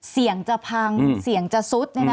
เสียงจะพังเสียงจะซุด